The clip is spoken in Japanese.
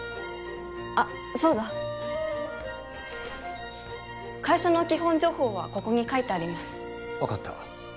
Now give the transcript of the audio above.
あっそうだ会社の基本情報はここに書いてあります分かった